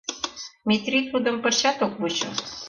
Метрий тудым пырчат ок вучо.